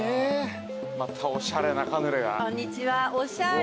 またおしゃれなカヌレが。